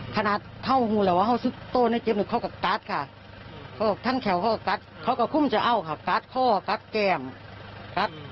กัดข้อกัดแก่งกัดข้อกัดแขนพวกมีอะไรทั้งเฉียวหมดเลยค่ะ